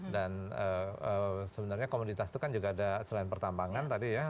dan sebenarnya komoditas itu kan juga ada selain pertambangan tadi ya